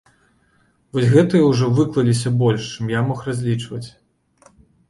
Вось гэтыя ўжо выклаліся больш, чым я мог разлічваць.